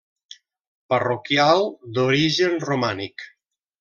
Parroquial d'origen romànic.